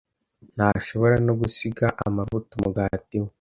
Ntashobora no gusiga amavuta umugati we.